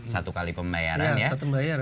satu kali pembayarannya